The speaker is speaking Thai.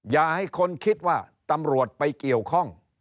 อย่าให้คนคิดว่าตำรวจไปเกี่ยวข้อง